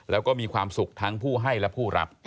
แล้วก็มีความสุขทั้งผู้ให้และผู้รับ